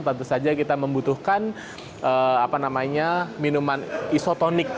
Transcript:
tentu saja kita membutuhkan minuman isotonik